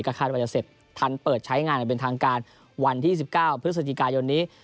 คาดว่าจะเสร็จทันเปิดใช้งานอย่างเป็นทางการวันที่๑๙พฤศจิกายนนี้